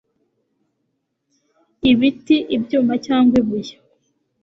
ibiti, ibyuma cyangwa ibuye